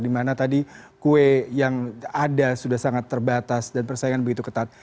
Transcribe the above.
dimana tadi kue yang ada sudah sangat terbatas dan persaingan begitu ketat